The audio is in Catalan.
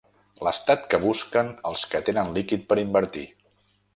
L'estat que busquen els que tenen líquid per invertir.